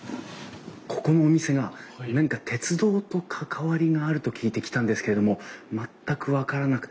ここのお店が何か鉄道と関わりがあると聞いて来たんですけれども全く分からなくてですね